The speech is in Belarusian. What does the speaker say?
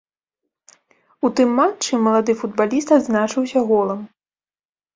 У тым матчы малады футбаліст адзначыўся голам.